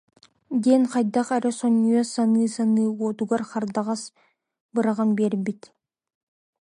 диэн хайдах эрэ сонньуйа саныы-саныы, уотугар хардаҕас быраҕан биэрбит